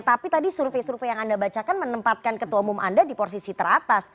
tapi tadi survei survei yang anda bacakan menempatkan ketua umum anda di posisi teratas